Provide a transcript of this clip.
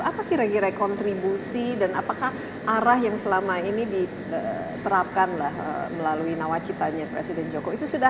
apakah kira kira kontribusi dan apakah arah yang selama ini diterapkan melalui nawacitanya presiden joko itu sudah